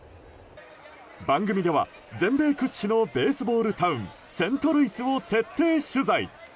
番組では、全米屈指のベースボール・タウンセントルイスを徹底取材。